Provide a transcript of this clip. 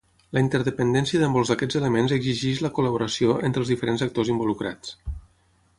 La interdependència de molts d'aquests elements exigeix la col·laboració entre els diferents actors involucrats.